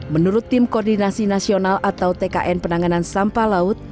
menurut tim koordinasi nasional atau tkn penanganan sampah laut